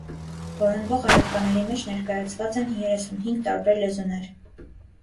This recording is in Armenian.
Որոնվող առարկաների մեջ ներկայացված են երեսունհինգ տարբեր լեզուներ։